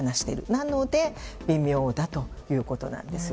なので微妙だということです。